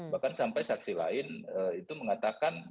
bahkan sampai saksi lain itu mengatakan